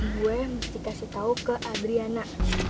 gue mesti kasih tahu ke adriana